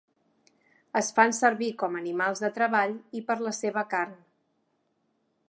Es fan servir com animals de treball i per la seva carn.